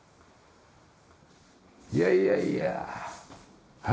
いやいやいや。